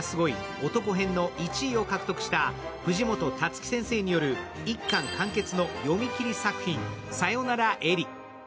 オトコ編の１位を獲得した藤本タツキ先生による１巻完結の読み切り作品「さよなら絵梨」。